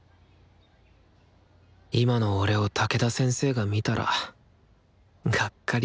今の俺を武田先生が見たらがっかりするだろうな。